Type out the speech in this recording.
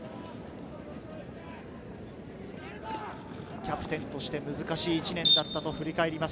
キャプテンとして難しい一年だったと振り返ります。